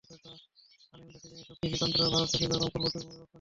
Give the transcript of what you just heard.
আলিম ইন্ডাস্ট্রিজের এসব কৃষিযন্ত্র ভারত, মেক্সিকো এবং পূর্ব তিমুরে রপ্তানিও হচ্ছে।